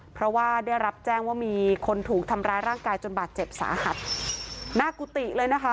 เพราะว่าได้รับแจ้งว่ามีคนถูกทำร้ายร่างกายจนบาดเจ็บสาหัสหน้ากุฏิเลยนะคะ